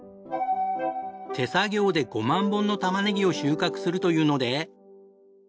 手作業で５万本のたまねぎを収穫するというので。